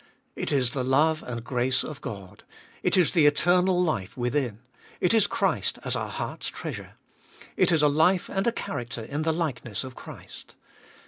It is the love and grace of God. It is the eternal life within. It is Christ as our heart's treasure. It is a life and a character in the likeness of Christ.